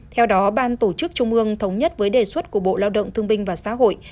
theo đó ban tổ chức trung ương thống nhất với đề xuất của bộ lao động thương binh và xã hội